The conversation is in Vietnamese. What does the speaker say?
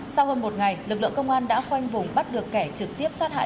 sau hơn một ngày lực lượng công an đã khoanh vùng bắt được kẻ trực tiếp sát hại